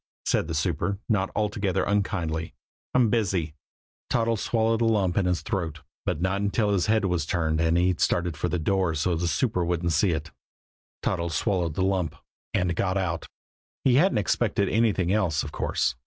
said the super, not altogether unkindly. "I'm busy." Toddles swallowed a lump in his throat but not until after his head was turned and he'd started for the door so the super couldn't see it. Toddles swallowed the lump and got out. He hadn't expected anything else, of course.